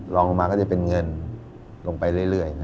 ลงมาก็จะเป็นเงินลงไปเรื่อย